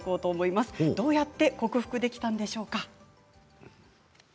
どうやって克服できたんでしょうか。